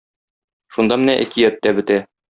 Шунда менә әкият тә бетә.